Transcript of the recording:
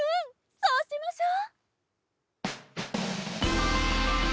そうしましょう。